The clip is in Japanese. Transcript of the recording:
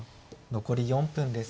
残り４分です。